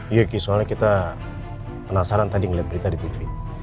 iya ki soalnya kita penasaran tadi ngelihat berita di tv